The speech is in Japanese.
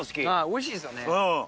おいしいですよね。